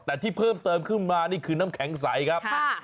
แต่ที่เพิ่มเติมขึ้นมานี่คือน้ำแข็งใสครับ